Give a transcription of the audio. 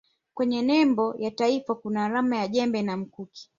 kwenye nembo ya taifa kuna alama ya jembe na mkuki